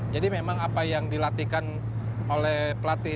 jadi memang apa yang dilatihkan oleh pelatih